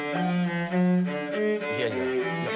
「いやいや」